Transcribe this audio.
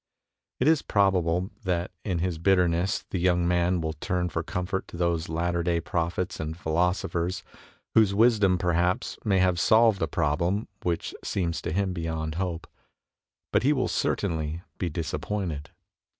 It is probable that in his bitterness the young man will turn for comfort to those latter day prophets and philosophers whose wisdom perhaps may have solved a problem which seems to him beyond hope, but he will certainly be disappointed.